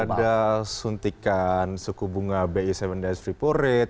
sudah ada suntikan suku bunga bi tujuh days free for rate